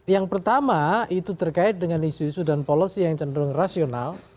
yang pertama itu terkait dengan isu isu dan policy yang cenderung rasional